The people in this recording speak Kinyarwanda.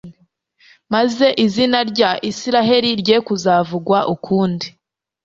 maze izina rya Israheli rye kuzavugwa ukundi»